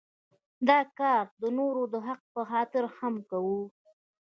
دا کار د نورو د حق په خاطر هم کوو.